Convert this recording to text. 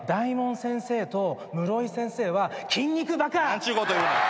何ちゅうこと言うねん。